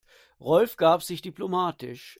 Rolf gab sich diplomatisch.